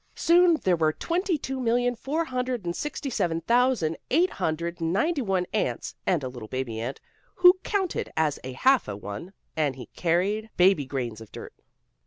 Soon there were twenty two million four hundred and sixty seven thousand, eight hundred and ninety one ants, and a little baby ant, who counted as a half a one, and he carried baby grains of dirt.